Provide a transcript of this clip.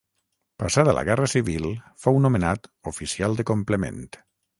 Passada la Guerra Civil fou nomenat oficial de complement.